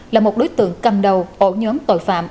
là một đối tượng cầm đầu ổ nhóm tội phạm